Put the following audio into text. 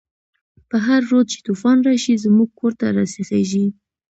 په هر رود چی توفان راشی، زموږ کور ته راسيخيږی